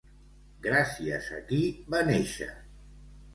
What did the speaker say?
Gràcies a qui va néixer?